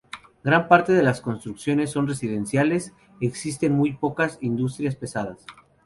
Gran parte de las construcciones son residenciales; existen muy pocas industrias pesadas.